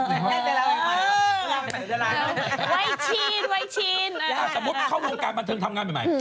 ถ้าสมมุติเข้าโรงการบันทึงทำงานใหม่